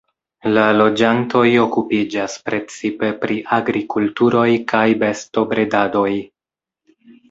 La loĝantoj okupiĝas precipe pri agrikulturoj kaj bestobredadoj.